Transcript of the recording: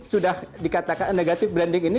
sudah dikatakan negatif branding ini